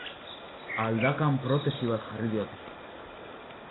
Aldakan protesi bat jarri diote.